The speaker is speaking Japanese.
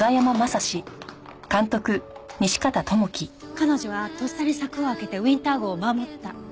彼女はとっさに柵を開けてウィンター号を守った。